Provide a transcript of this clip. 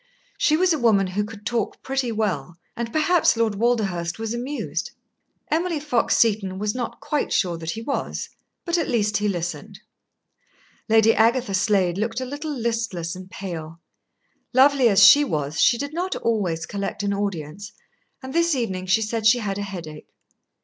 She was a woman who could talk pretty well, and perhaps Lord Walderhurst was amused. Emily Fox Seton was not quite sure that he was, but at least he listened. Lady Agatha Slade looked a little listless and pale. Lovely as she was, she did not always collect an audience, and this evening she said she had a headache.